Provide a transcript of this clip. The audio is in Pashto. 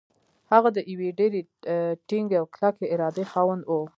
هغه د يوې ډېرې ټينګې او کلکې ارادې خاوند و.